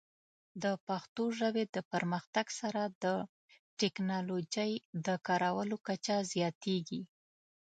د پښتو ژبې د پرمختګ سره، د ټیکنالوجۍ د کارولو کچه زیاتېږي.